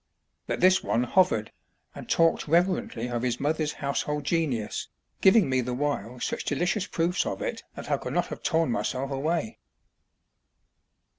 But this one hovered, and talked reverently of his mother's household genius, giving me the while such delicious proofs of it that I could not have torn myself away.